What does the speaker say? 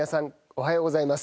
おはようございます。